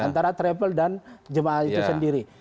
antara travel dan jemaah itu sendiri